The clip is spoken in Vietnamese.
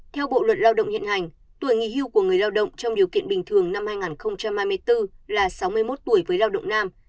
theo bộ luật lao động hiện hành tuổi nghỉ hưu của người lao động trong điều kiện bình thường năm hai nghìn hai mươi bốn là sáu mươi một tuổi với lao động nam